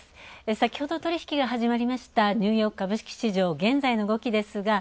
先ほど取引が始まりました、ニューヨーク株式市場、現在の動きです。